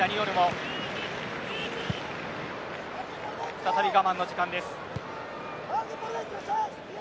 再び我慢の時間帯です。